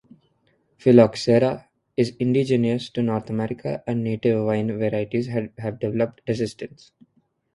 "Phylloxera" is indigenous to North America and native vine varieties had developed resistance.